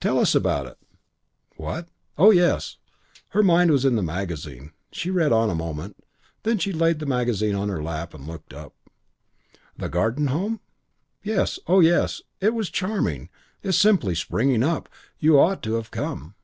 "Tell us about it." "What? Oh ... yes." Her mind was in the magazine. She read on a moment. Then she laid the magazine on her lap and looked up. "The Garden Home? Yes oh, yes. It was charming. It's simply springing up. You ought to have come."